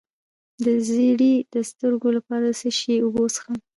د زیړي د سترګو لپاره د څه شي اوبه وڅښم؟